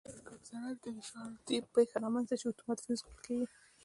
که په سرکټ کې د شارټي پېښه رامنځته شي اتومات فیوز ګل کېږي.